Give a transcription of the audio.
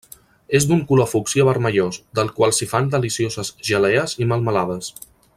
És d'un color fúcsia vermellós, del qual s'hi fan delicioses gelees i melmelades.